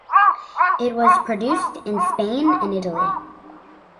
It was produced in Spain and Italy.